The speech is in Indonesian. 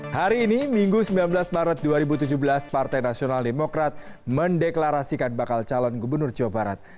hari ini minggu sembilan belas maret dua ribu tujuh belas partai nasional demokrat mendeklarasikan bakal calon gubernur jawa barat